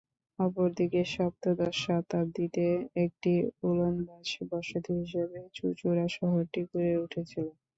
অপরদিকে সপ্তদশ শতাব্দীতে একটি ওলন্দাজ বসতি হিসেবে চুঁচুড়া শহরটি গড়ে উঠেছিল।